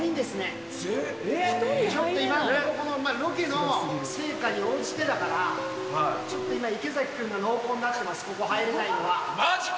このロケの成果に応じてだから、ちょっと今、池崎君が濃厚になってます、ここ、入れないのは。